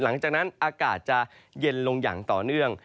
หลังจากนั้นอากาศจะเย็นลงอย่างต่อเนื่อง